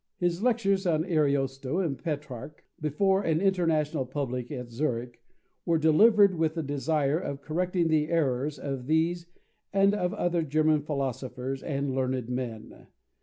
His lectures on Ariosto and Petrarch, before an international public at Zurich, were delivered with the desire of correcting the errors of these and of other German philosophers and learned men.